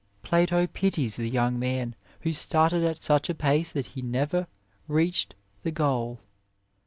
Plato pities the young man who started at such a pace that he never reached the 45 A WAY goal.